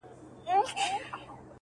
د سړي د کور په خوا کي یو لوی غار وو-